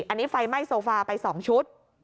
อันนี้ไฟไหม้โซฟาไป๒ชุด